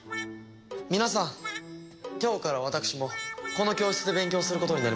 皆さん今日から私もこの教室で勉強することになりました。